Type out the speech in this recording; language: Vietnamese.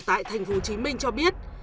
tại tp hcm cho biết